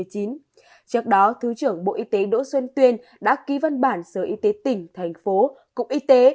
trước đó thứ trưởng bộ y tế đỗ xuân tuyên đã ký văn bản sở y tế tỉnh thành phố cục y tế